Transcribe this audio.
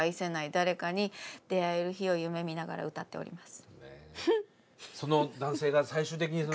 誰かに出会える日を夢みながら歌っております。